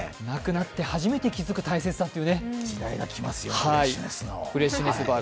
なくなって初めて気付く大切さというね。